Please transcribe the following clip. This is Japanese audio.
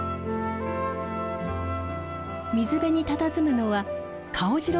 水辺にたたずむのはカオジロ